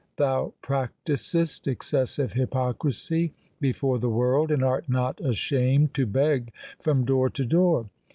Thou practisest excessive hypocrisy before the world, and art not ashamed to beg from door to door.